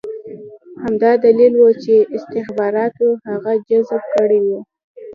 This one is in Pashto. همدا دلیل و چې استخباراتو هغه جذب کړی و